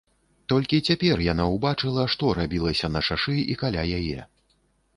Толькі цяпер яна ўбачыла, што рабілася на шашы і каля яе.